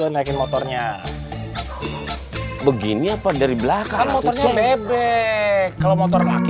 habis itu naikin motornya begini apa dari belakang motornya mebek kalau motor lagi